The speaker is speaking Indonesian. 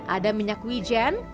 ada minyak wijen